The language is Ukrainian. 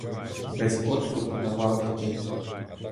Без одступу на вал іти.